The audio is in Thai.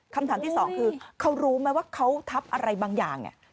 คำถามที่สองคือเขารู้ไหมว่าเขาทับอะไรบางอย่างเนี่ย